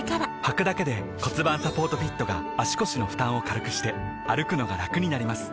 はくだけで骨盤サポートフィットが腰の負担を軽くして歩くのがラクになります